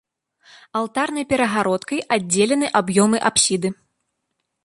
Алтарнай перагародкай аддзелены аб'ёмы апсіды.